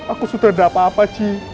aku sudah tidak apa apa ji